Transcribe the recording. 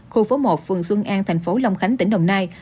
khu phố một phường xuân an thành phố long khánh tỉnh đồng nai